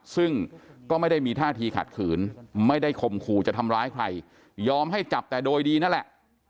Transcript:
ซึ่งก็ไม่ได้มีท่าทีขัดขืนไม่ได้ข่มขู่จะทำร้ายใครยอมให้จับแต่โดยดีนั่นแหละ